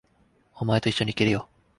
お前と一緒に行けるよ。